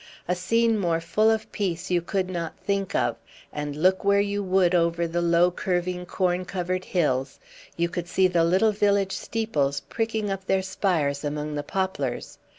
A scene more full of peace you could not think of, and look where you would over the low curving corn covered hills, you could see the little village steeples pricking up their spires among the poplars.